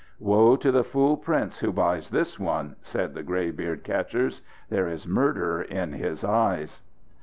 "Woe to the fool prince who buys this one!" said the grey beard catchers. "There is murder in his eyes."